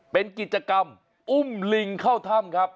เป็นกิจกรรมอุ้มลิงเข้าถ้ำครับ